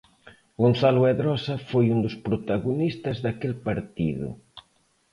Gonzalo Edrosa foi un dos protagonistas daquel partido.